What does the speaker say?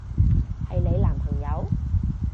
係你男朋友？